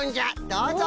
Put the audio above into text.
どうぞ。